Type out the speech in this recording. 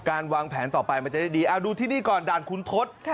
วางแผนต่อไปมันจะได้ดีเอาดูที่นี่ก่อนด่านคุณทศ